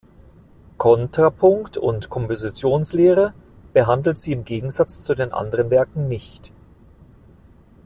Kontrapunkt- und Kompositionslehre behandelt sie im Gegensatz zu den anderen Werken nicht.